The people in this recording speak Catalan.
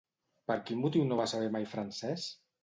Per quin motiu no va saber mai francès?